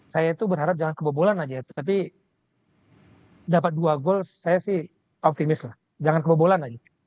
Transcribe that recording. saya itu berharap jangan kebobolan aja tapi dapat dua gol saya sih optimis lah jangan kebobolan aja